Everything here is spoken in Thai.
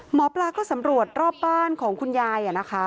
หมอปลาก็สำรวจรอบบ้านของคุณยายนะคะ